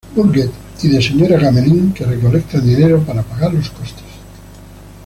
Bourget y de Señora Gamelin que recolectan dinero para pagar los costes.